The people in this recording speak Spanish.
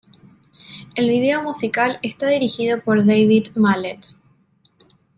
El video musical está dirigido por David Mallet.